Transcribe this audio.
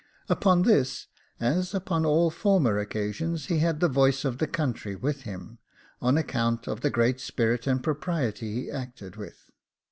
Upon this, as upon all former occasions, he had the voice of the country with him, on account of the great spirit and propriety he acted with.